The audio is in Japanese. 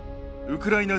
ウクライナ！